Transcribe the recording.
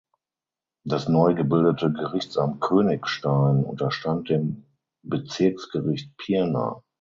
Das neu gebildete Gerichtsamt Königstein unterstand dem Bezirksgericht Pirna.